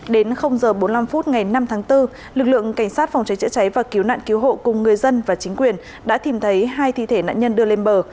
đến h bốn mươi năm phút ngày năm tháng bốn lực lượng cảnh sát phòng cháy chữa cháy và cứu nạn cứu hộ cùng người dân và chính quyền đã tìm thấy hai thi thể nạn nhân đưa lên bờ